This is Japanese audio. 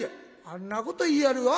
「あんなこと言いよるわ。